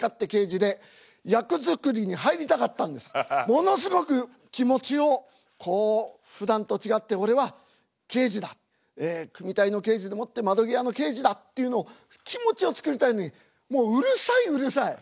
ものすごく気持ちをこうふだんと違って俺は刑事だ組対の刑事でもって窓際の刑事だっていうのを気持ちを作りたいのにもううるさいうるさい。